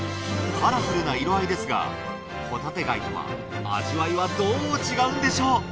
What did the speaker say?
カラフルな色合いですがホタテガイとは味わいはどう違うんでしょう？